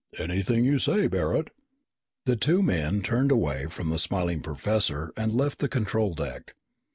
"Anything you say, Barret." The two men turned away from the smiling professor and left the control deck.